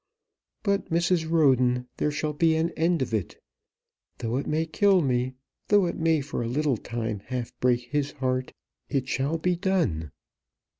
But, Mrs. Roden, there shall be an end of it! Though it may kill me, though it may for a little time half break his heart, it shall be done!